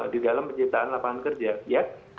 di dalam penciptaan lapangan kerja ya